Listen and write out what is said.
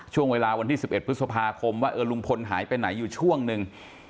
ช่วงเวลาวันที่๑๑พฤษภาคมว่าลุงพลหายไปไหนอยู่ช่วงหนึ่ง